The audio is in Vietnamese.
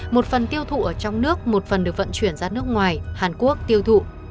một phần tiêu thụ ở trong nước một phần được vận chuyển ra nước ngoài hàn quốc tiêu thụ